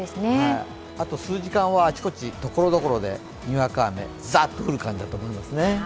あと数時間は、あちこち、ところどころでにわか雨、ザーッと降る感じだと思います。